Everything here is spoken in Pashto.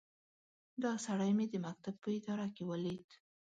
دا سړی مې د مکتب په اداره کې وليد.